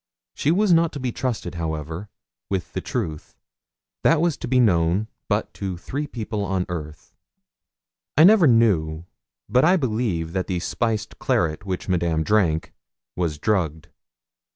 She was not to be trusted, however, with the truth. That was to be known but to three people on earth. I never knew, but I believe that the spiced claret which Madame drank was drugged.